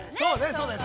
◆そうね。